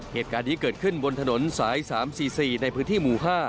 เหตุการณ์นี้เกิดขึ้นบนถนนสาย๓๔๔ในพื้นที่หมู่๕